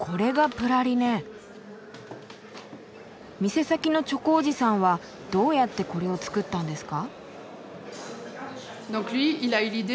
店先のチョコおじさんはどうやってこれを作ったんですか？